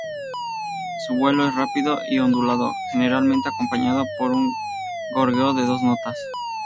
Su vuelo es rápido y ondulado, generalmente acompañado por un gorjeo de dos notas.